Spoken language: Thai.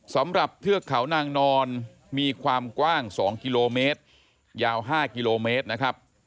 เทือกเขานางนอนมีความกว้าง๒กิโลเมตรยาว๕กิโลเมตรนะครับ